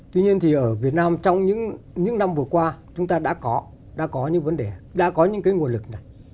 tuy nhiên thì ở việt nam trong những năm vừa qua chúng ta đã có đã có những vấn đề đã có những cái nguồn lực này